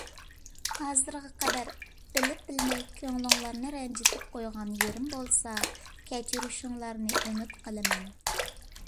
ھازىرغا قەدەر بىلىپ بىلمەي كۆڭلۈڭلارنى رەنجىتىپ قويغان يېرىم بولسا كەچۈرۈشۈڭلارنى ئۈمىد قىلىمەن.